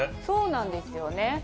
そうなんですよね。